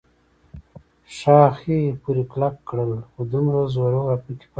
ښاخې پورې کلک کړل، خو دومره زور راپکې پاتې نه و.